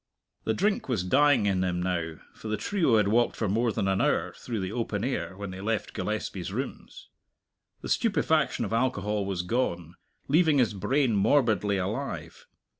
The drink was dying in him now, for the trio had walked for more than an hour through the open air when they left Gillespie's rooms. The stupefaction of alcohol was gone, leaving his brain morbidly alive.